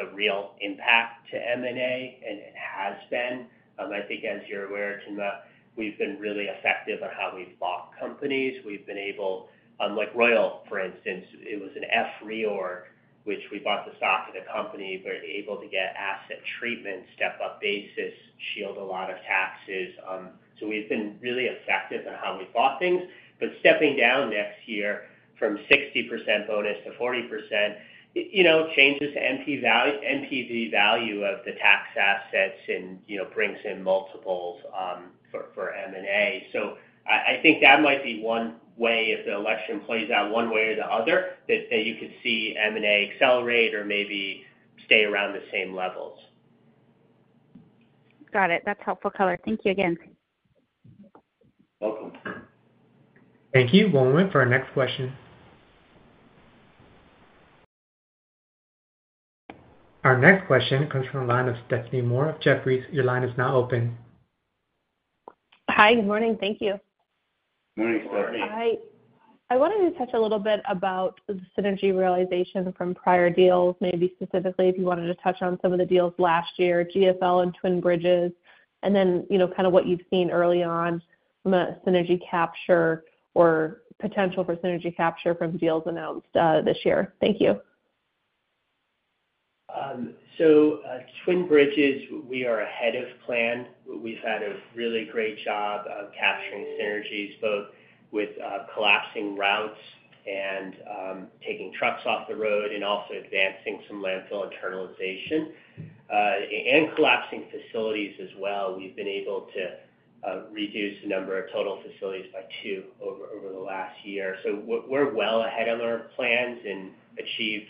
Speaker 5: a real impact to M&A, and it has been. I think as you're aware, Timna, we've been really effective on how we've bought companies. We've been able like Royal, for instance, it was an F reorg, which we bought the stock of the company, but able to get asset treatment, step-up basis, shield a lot of taxes. We've been really effective in how we bought things. Stepping down next year from 60% bonus to 40% changes to NPV value of the tax assets and brings in multiples for M&A. I think that might be one way if the election plays out one way or the other that you could see M&A accelerate or maybe stay around the same levels.
Speaker 9: Got it. That's helpful, caller. Thank you again.
Speaker 3: Welcome.
Speaker 1: Thank you. One moment for our next question. Our next question comes from the line of Stephanie Moore of Jefferies. Your line is now open.
Speaker 10: Hi. Good morning. Thank you.
Speaker 3: Good morning, Stephanie.
Speaker 10: Hi. I wanted to touch a little bit about the synergy realization from prior deals, maybe specifically if you wanted to touch on some of the deals last year, GFL and Twin Bridges, and then kind of what you've seen early on from a synergy capture or potential for synergy capture from deals announced this year. Thank you.
Speaker 5: So Twin Bridges, we are ahead of plan. We've had a really great job of capturing synergies, both with collapsing routes and taking trucks off the road and also advancing some landfill internalization and collapsing facilities as well. We've been able to reduce the number of total facilities by two over the last year. So we're well ahead of our plans and achieved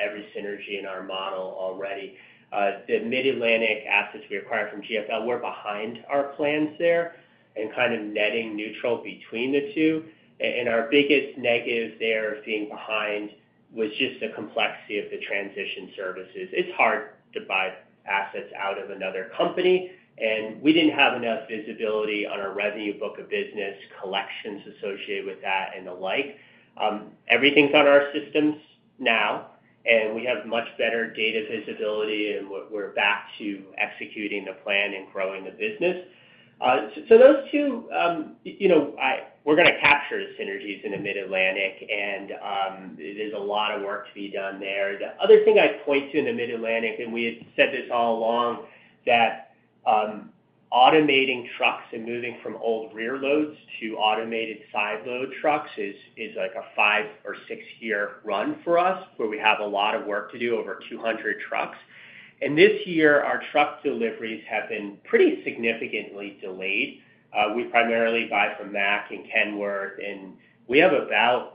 Speaker 5: every synergy in our model already. The Mid-Atlantic assets we acquired from GFL, we're behind our plans there and kind of netting neutral between the two. And our biggest negative there of being behind was just the complexity of the transition services. It's hard to buy assets out of another company. And we didn't have enough visibility on our revenue book of business collections associated with that and the like. Everything's on our systems now, and we have much better data visibility, and we're back to executing the plan and growing the business. So those two, we're going to capture the synergies in the Mid-Atlantic, and there's a lot of work to be done there. The other thing I'd point to in the Mid-Atlantic, and we had said this all along, that automating trucks and moving from old rear loads to automated side load trucks is like a five or six-year run for us, where we have a lot of work to do, over 200 trucks. And this year, our truck deliveries have been pretty significantly delayed. We primarily buy from Mack and Kenworth, and we have about,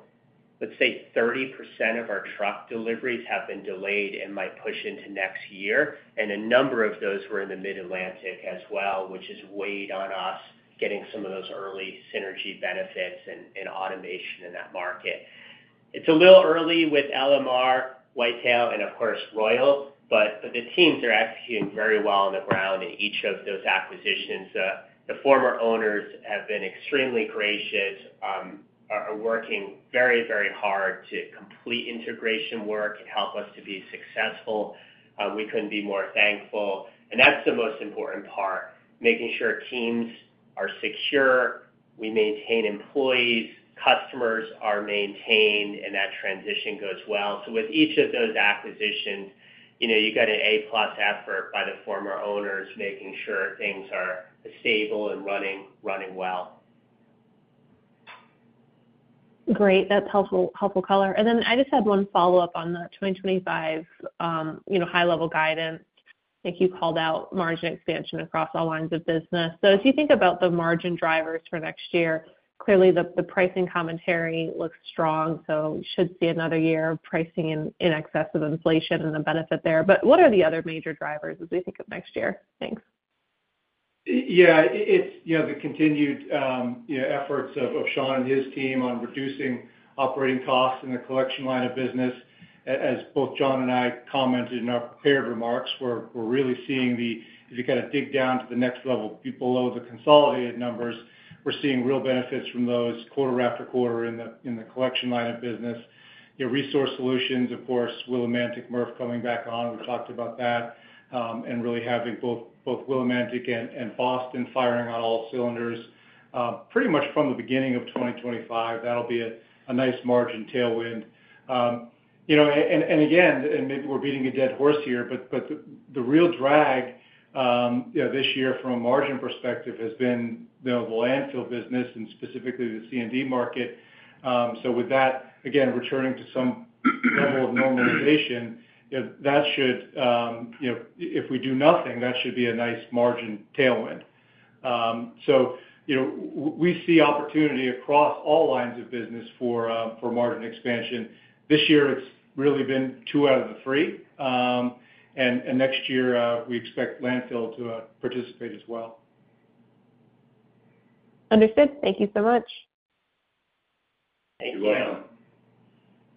Speaker 5: let's say, 30% of our truck deliveries have been delayed and might push into next year. A number of those were in the Mid-Atlantic as well, which has weighed on us getting some of those early synergy benefits and automation in that market. It's a little early with LMR, Whitetail, and of course, Royal, but the teams are executing very well on the ground in each of those acquisitions. The former owners have been extremely gracious, are working very, very hard to complete integration work and help us to be successful. We couldn't be more thankful. That's the most important part, making sure teams are secure, we maintain employees, customers are maintained, and that transition goes well. With each of those acquisitions, you got an A-plus effort by the former owners, making sure things are stable and running well.
Speaker 10: Great. That's helpful, couple of colour. And then I just had one follow-up on the 2025 high-level guidance. I think you called out margin expansion across all lines of business. So as you think about the margin drivers for next year, clearly the pricing commentary looks strong. So we should see another year of pricing in excess of inflation and the benefit there. But what are the other major drivers as we think of next year? Thanks.
Speaker 4: Yeah. It's the continued efforts of Sean and his team on reducing operating costs in the collection line of business. As both John and I commented in our prepared remarks, we're really seeing the if you kind of dig down to the next level below the consolidated numbers, we're seeing real benefits from those quarter after quarter in the collection line of business. Resource solutions, of course, Willimantic, MRF coming back on. We talked about that and really having both Willimantic and Boston firing on all cylinders pretty much from the beginning of 2025. That'll be a nice margin tailwind. And again, and maybe we're beating a dead horse here, but the real drag this year from a margin perspective has been the landfill business and specifically the C&D market. So with that, again, returning to some level of normalization, that should, if we do nothing, that should be a nice margin tailwind. So we see opportunity across all lines of business for margin expansion. This year, it's really been two out of the three. And next year, we expect landfill to participate as well.
Speaker 10: Understood. Thank you so much.
Speaker 5: Thank you.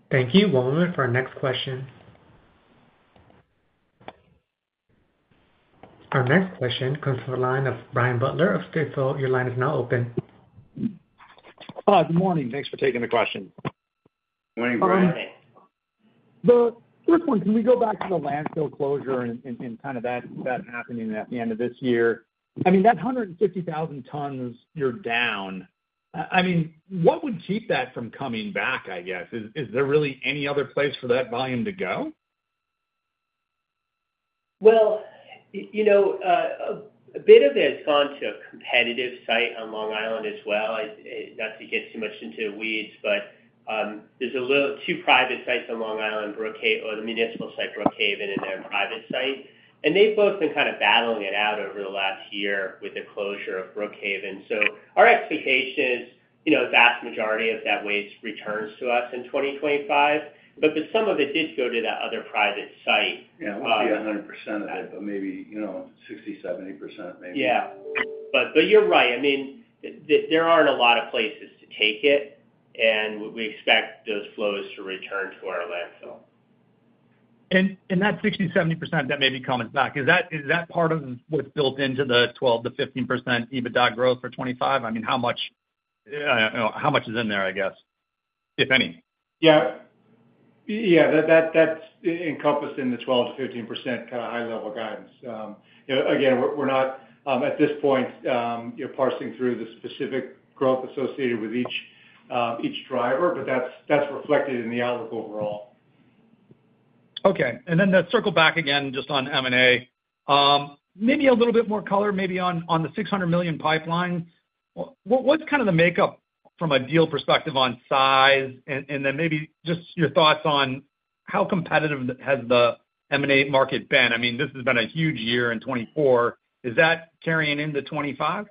Speaker 1: Thank you. One moment for our next question. Our next question comes from the line of Brian Butler of Stifel. Your line is now open.
Speaker 11: Hi. Good morning. Thanks for taking the question.
Speaker 5: Good morning, Brian.
Speaker 11: The first one, can we go back to the landfill closure and kind of that happening at the end of this year? I mean, that 150,000 tons, you're down. I mean, what would keep that from coming back, I guess? Is there really any other place for that volume to go?
Speaker 5: A bit of it has gone to a competitive site on Long Island as well. Not to get too much into the weeds, but there's two private sites on Long Island, the municipal site Brookhaven and their private site. They've both been kind of battling it out over the last year with the closure of Brookhaven. Our expectation is the vast majority of that waste returns to us in 2025. Some of it did go to that other private site.
Speaker 3: Yeah. We'll see 100% of it, but maybe 60%-70% maybe.
Speaker 5: Yeah. But you're right. I mean, there aren't a lot of places to take it, and we expect those flows to return to our landfill.
Speaker 11: That 60%-70% that may be coming back, is that part of what's built into the 12%-15% EBITDA growth for 2025? I mean, how much is in there, I guess, if any?
Speaker 4: Yeah. Yeah. That's encompassed in the 12%-15% kind of high-level guidance. Again, we're not at this point parsing through the specific growth associated with each driver, but that's reflected in the outlook overall.
Speaker 11: Okay. And then to circle back again just on M&A, maybe a little bit more, colour, maybe on the $600 million pipeline. What's kind of the makeup from a deal perspective on size? And then maybe just your thoughts on how competitive has the M&A market been? I mean, this has been a huge year in 2024. Is that carrying into 2025?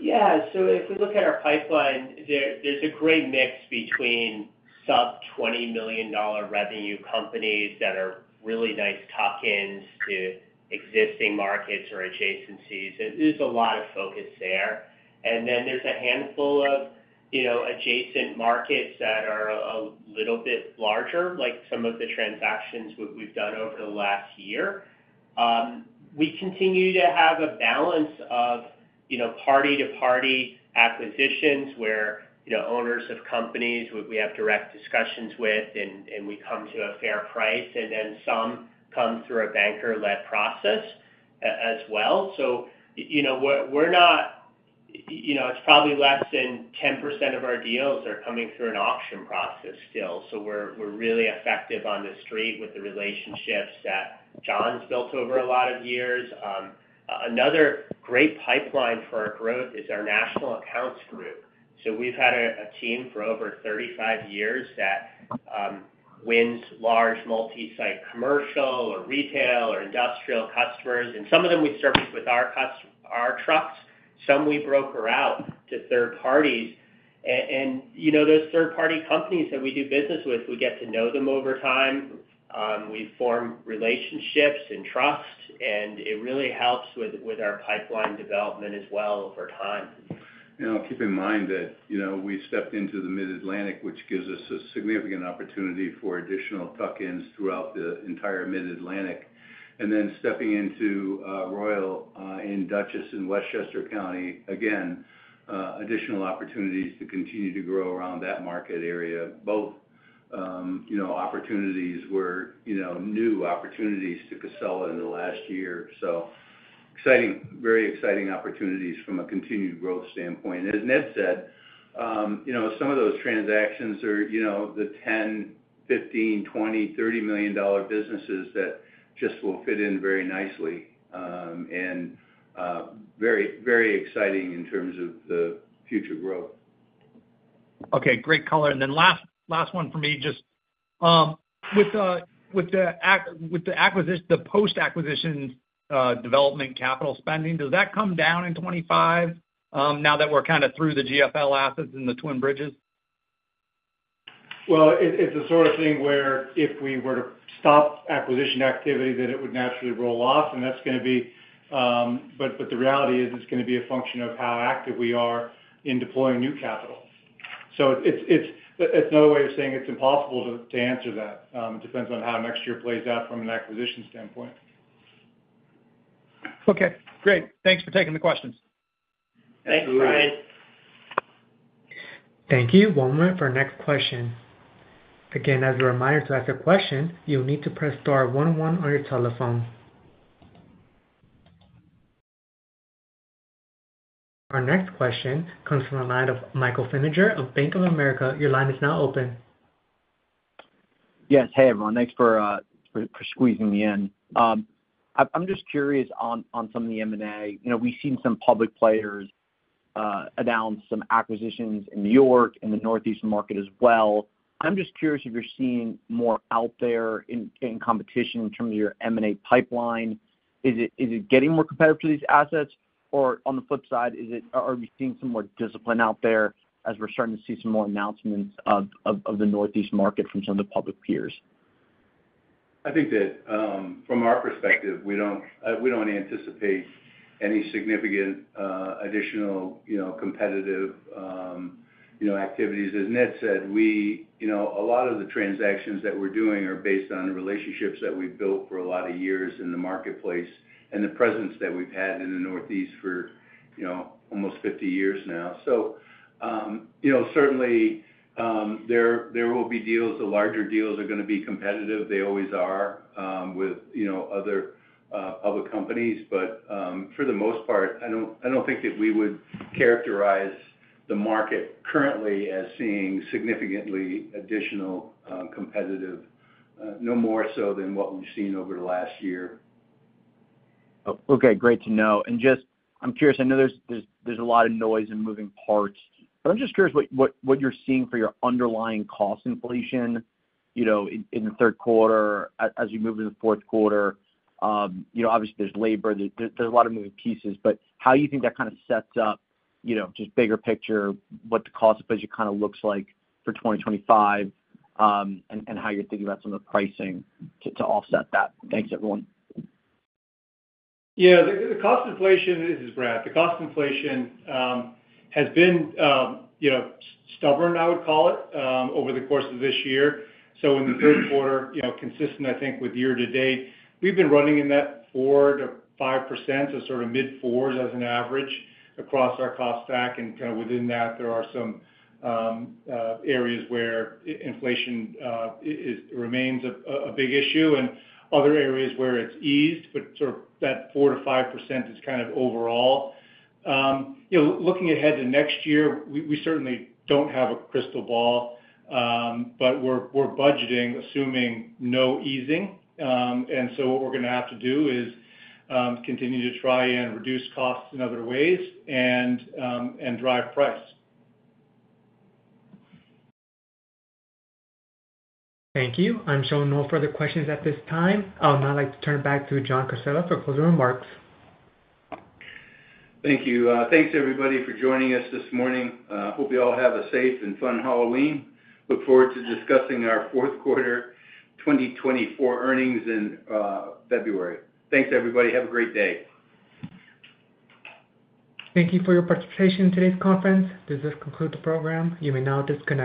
Speaker 5: Yeah. So if we look at our pipeline, there's a great mix between sub-$20 million revenue companies that are really nice tuck-ins to existing markets or adjacencies. There's a lot of focus there. And then there's a handful of adjacent markets that are a little bit larger, like some of the transactions we've done over the last year. We continue to have a balance of party-to-party acquisitions where owners of companies we have direct discussions with, and we come to a fair price. And then some come through a banker-led process as well. So we're not. It's probably less than 10% of our deals are coming through an auction process still. So we're really effective on the street with the relationships that John's built over a lot of years. Another great pipeline for our growth is our national accounts group. So we've had a team for over 35 years that wins large multi-site commercial or retail or industrial customers. And some of them we service with our trucks. Some we broker out to third parties. And those third-party companies that we do business with, we get to know them over time. We form relationships and trust, and it really helps with our pipeline development as well over time.
Speaker 3: Now, keep in mind that we stepped into the Mid-Atlantic, which gives us a significant opportunity for additional tuck-ins throughout the entire Mid-Atlantic. And then stepping into Royal and Dutchess in Westchester County, again, additional opportunities to continue to grow around that market area, both opportunities where new opportunities to Casella in the last year. So exciting, very exciting opportunities from a continued growth standpoint. As Ned said, some of those transactions are the $10, $15, $20, $30 million businesses that just will fit in very nicely and very exciting in terms of the future growth.
Speaker 11: Okay. Great colour and then last one for me, just with the post-acquisition development capital spending, does that come down in 2025 now that we're kind of through the GFL assets and the Twin Bridges?
Speaker 4: Well, it's the sort of thing where if we were to stop acquisition activity, then it would naturally roll off, and that's going to be, but the reality is it's going to be a function of how active we are in deploying new capital. So it's another way of saying it's impossible to answer that. It depends on how next year plays out from an acquisition standpoint.
Speaker 11: Okay. Great. Thanks for taking the questions.
Speaker 5: Thanks, Brian.
Speaker 1: Thank you. One moment for our next question. Again, as a reminder to ask a question, you'll need to press star one one on your telephone. Our next question comes from the line of Michael Feniger of Bank of America. Your line is now open.
Speaker 12: Yes. Hey, everyone. Thanks for squeezing me in. I'm just curious on some of the M&A. We've seen some public players announce some acquisitions in New York and the northeastern market as well. I'm just curious if you're seeing more out there in competition in terms of your M&A pipeline. Is it getting more competitive for these assets? Or on the flip side, are we seeing some more discipline out there as we're starting to see some more announcements of the northeast market from some of the public peers?
Speaker 3: I think that from our perspective, we don't anticipate any significant additional competitive activities. As Ned said, a lot of the transactions that we're doing are based on relationships that we've built for a lot of years in the marketplace and the presence that we've had in the Northeast for almost 50 years now. So certainly, there will be deals. The larger deals are going to be competitive. They always are with other public companies. But for the most part, I don't think that we would characterize the market currently as seeing significantly additional competitive, no more so than what we've seen over the last year.
Speaker 12: Okay. Great to know. And just I'm curious. I know there's a lot of noise in moving parts, but I'm just curious what you're seeing for your underlying cost inflation in the third quarter as you move into the fourth quarter. Obviously, there's labor. There's a lot of moving pieces. But how do you think that kind of sets up just bigger picture, what the cost of budget kind of looks like for 2025, and how you're thinking about some of the pricing to offset that? Thanks, everyone.
Speaker 4: Yeah. The cost inflation is, it’s Brad, the cost inflation has been stubborn, I would call it, over the course of this year. So in the third quarter, consistent, I think, with year to date, we've been running in that 4%-5%, so sort of mid-4s as an average across our cost stack. And kind of within that, there are some areas where inflation remains a big issue and other areas where it's eased, but sort of that 4%-5% is kind of overall. Looking ahead to next year, we certainly don't have a crystal ball, but we're budgeting, assuming no easing. And so what we're going to have to do is continue to try and reduce costs in other ways and drive price.
Speaker 1: Thank you. I'm showing no further questions at this time. I'll now like to turn it back to John Casella for closing remarks.
Speaker 3: Thank you. Thanks, everybody, for joining us this morning. Hope you all have a safe and fun Halloween. Look forward to discussing our fourth quarter 2024 earnings in February. Thanks, everybody. Have a great day.
Speaker 1: Thank you for your participation in today's conference. This has concluded the program. You may now disconnect.